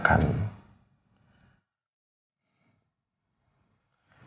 tidak akan mencintai kamu